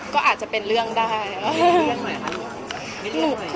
ก็อาจจะเป็นเรื่องได้